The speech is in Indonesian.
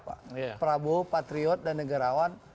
pak prabowo patriot dan negarawan